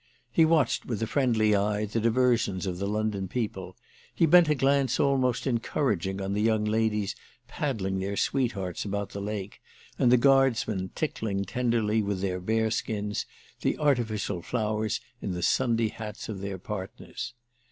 He watched with a friendly eye the diversions of the London people, he bent a glance almost encouraging on the young ladies paddling their sweethearts about the lake and the guardsmen tickling tenderly with their bearskins the artificial flowers in the Sunday hats of their partners.